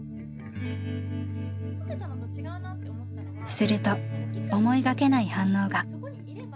すると思いがけない反応が。